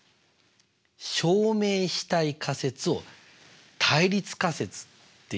証明したい仮説を対立仮説って言うんだよね。